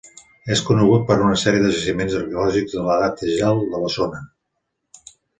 És conegut per una sèrie de jaciments arqueològics de l'Edat de Gel de la zona.